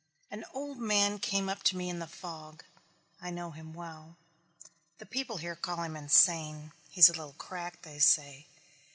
An old man came up to me in the fog. I know him well. The people here call him insane. "He is a little cracked," they say.